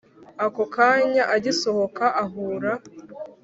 ako kanya agisohoka ahura